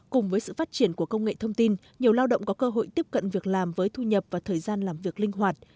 cùng với sự phát triển của công nghệ thông tin nhiều lao động có cơ hội tiếp cận việc làm với thu nhập và thời gian làm việc linh hoạt